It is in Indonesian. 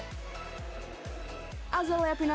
tanpa pembagian divisi berdasarkan gender